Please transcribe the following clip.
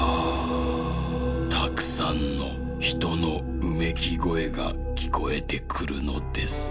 たくさんのひとのうめきごえがきこえてくるのです」。